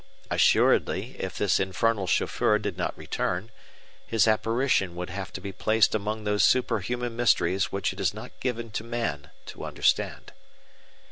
Assuredly if this infernal chauffeur did not return, his apparition would have to be placed among those superhuman mysteries which it is not given to man to understand.